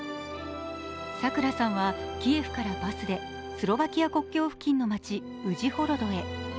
桜さんはキエフからバスでスロバキア国境付近の街ウジホドロへ。